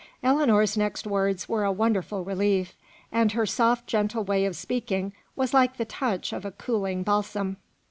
Ellinor's next words were a wonderful relief; and her soft gentle way of speaking was like the touch of a cooling balsam.